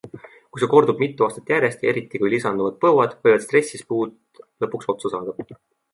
Kui see kordub mitu aastat järjest ja eriti kui lisanduvad põuad, võivad stressis puud lõpuks otsa saada.